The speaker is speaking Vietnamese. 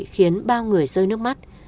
khiến bao người rơi nước mắt